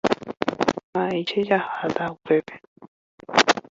Mba'éichapa jaháta upépe.